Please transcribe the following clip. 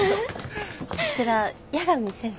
こちら八神先生。